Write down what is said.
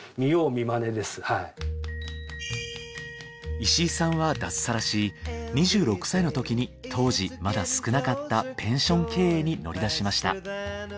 石井さんは脱サラし２６歳のときに当時まだ少なかったペンション経営に乗り出しました。